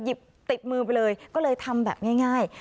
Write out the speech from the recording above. ติดมือไปเลยก็เลยทำแบบง่าย